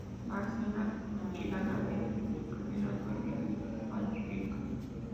Nace en la Cuchilla Grande y desemboca en el Arroyo Valija.